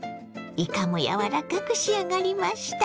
いかも柔らかく仕上がりました。